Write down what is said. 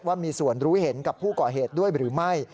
ว่ามีส่วนรู้เห็นกับผู้ก่อเหตุด้วยหรือไม่